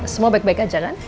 semua baik baik aja jangan